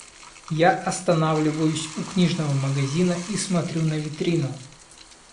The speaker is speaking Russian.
Я останавливаюсь у книжного магазина и смотрю на витрину.